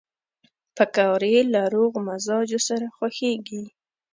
پکورې له روغ مزاجو سره خوښېږي